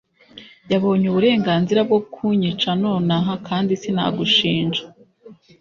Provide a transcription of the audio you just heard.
yabonye uburenganzira bwo kunyica nonaha kandi sinagushinja